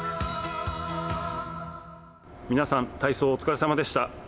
皆さん、体操お疲れさまでした。